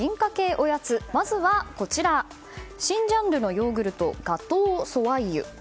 おやつまずは、新ジャンルのヨーグルトガトー・ソワイユ。